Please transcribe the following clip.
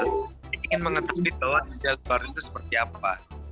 saya ingin mengetahui bahwa dunia luar itu seperti apa